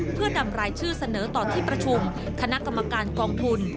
เพื่อนำรายชื่อเสนอต่อที่ประชุมคณะกรรมการกองทุน